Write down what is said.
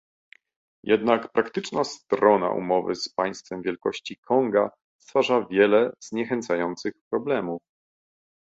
Jednak praktyczna strona umowy z państwem wielkości Konga stwarza wiele zniechęcających problemów